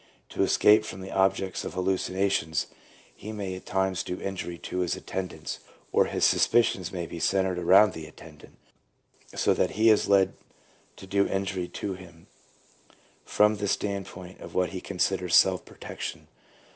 To escape from the objects of hallucinations, he may at times do injury to his attendants, or his suspicions may be centred around the attendant, so that he is led to do injury to him from the standpoint of what he considers self protection.